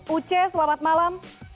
uce selamat malam